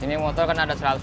ini motor kan ada seratus